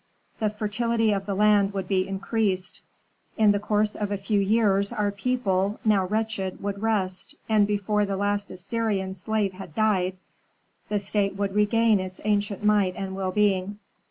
The fertility of the land would be increased; in the course of a few years our people, now wretched, would rest, and before the last Assyrian slave had died, the state would regain its ancient might and well being.